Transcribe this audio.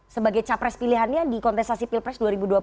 sebagai capres pilihannya di kontestasi pilpres dua ribu dua puluh empat